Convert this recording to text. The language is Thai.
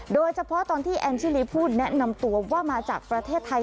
โดยเฉพาะตอนที่แอนชิลีพูดแนะนำตัวว่ามาจากประเทศไทย